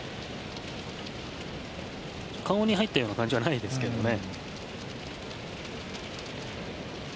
顔に入ったような感じじゃないですけどね。